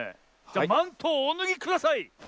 マントをおぬぎください！